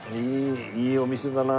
いいお店だな。